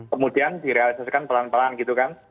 kemudian direalisasikan pelan pelan gitu kan